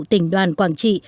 tỉnh đoàn quảng trị